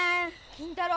金太郎。